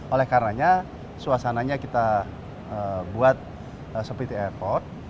oleh karenanya suasananya kita buat seperti airport